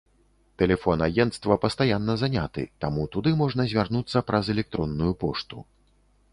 Тэлефон агенцтва пастаянна заняты, таму туды можна звярнуцца праз электронную пошту.